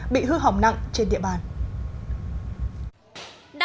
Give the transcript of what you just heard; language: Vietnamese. bị hư hỏng nặng trên địa bàn